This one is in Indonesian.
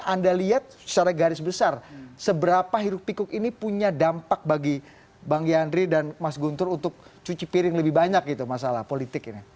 anda lihat secara garis besar seberapa hiruk pikuk ini punya dampak bagi bang yandri dan mas guntur untuk cuci piring lebih banyak gitu masalah politik ini